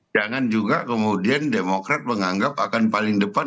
jangan juga kemudian demokrat menganggap akan paling depan